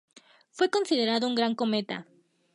Fue considerado un Gran cometa.